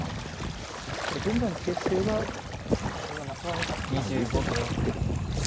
ただ現在の形勢はこれは中川八段が優勢になってるんですね。